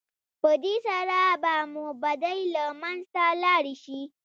په دې سره به مو بدۍ له منځه لاړې شي.